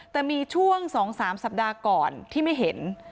แต่มีช่วง๒๓สัปดาห์ก่อนที่ไม่เห็น